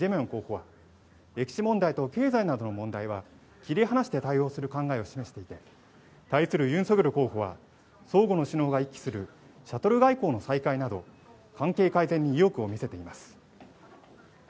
候補歴史問題と経済などの問題は切り離して対応する考えを示していて対するユン・ソギョル候補は相互の首脳が一致するシャトル外交の再開など関係改善に意欲を見せています